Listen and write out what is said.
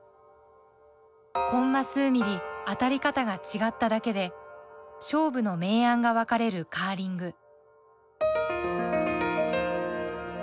コンマ数ミリ当たり方が違っただけで勝負の明暗が分かれるカーリング。